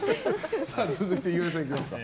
続いて岩井さんいきますか。